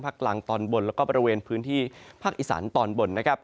ภาคกลางตอนบนแล้วก็บริเวณพื้นที่ภาคอิสรรค์ตอนบน